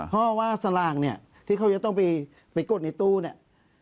เพราะว่าสลากเนี่ยที่เขาจะต้องไปกดในตู้เนี่ย